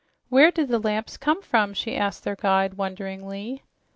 "Where do the lamps come from?" she asked their guide wonderingly.